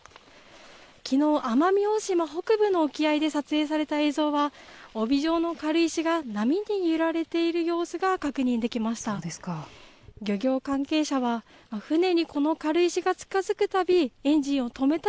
きのう、奄美大島北部の沖合で撮影された映像は、帯状の軽石が波に揺られている様子が確認できました。